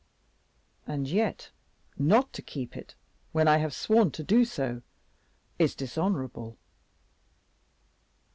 And yet, not to keep it when I have sworn to do so is dishonorable.